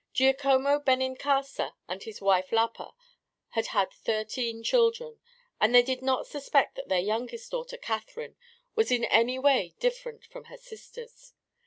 Giacomo Benincasa and his wife Lapa had had thirteen children, and they did not suspect that their youngest daughter Catherine was in any way different from her sisters.